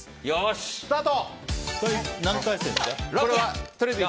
スタート！